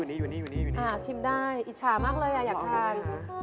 ชิมได้อิชามากเลยอ่ะอยากชาวิทธิ์อิชามากเลยอยากชาวิทธิ์